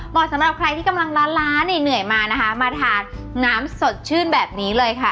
เหมาะสำหรับใครที่กำลังร้านร้านเหนื่อยเหนื่อยมานะคะมาทานน้ำสดชื่นแบบนี้เลยค่ะ